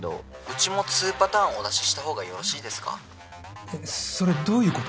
うちも２パターンお出ししたほうがよろしいですか？